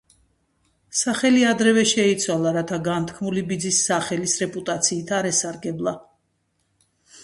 სახელი ადრევე შეიცვალა, რათა განთქმული ბიძის სახელის რეპუტაციით არ ესარგებლა.